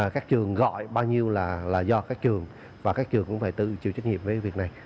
các trường gọi bao nhiêu là do các trường và các trường cũng phải tự chịu trách nhiệm với việc này